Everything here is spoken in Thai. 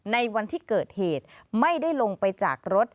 ในวันที่เกิดเหตุไม่ได้ลงไปจากรถ